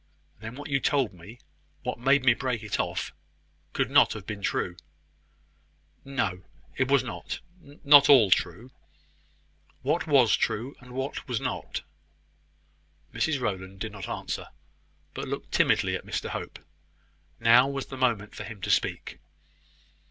"Then what you told me what made me break it off could not have been true." "No, it was not not all true." "What was true, and what was not?" Mrs Rowland did not answer, but looked timidly at Mr Hope. Now was the moment for him to speak.